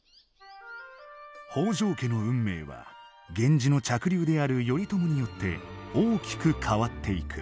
北条家の運命は源氏の嫡流である頼朝によって大きく変わっていく。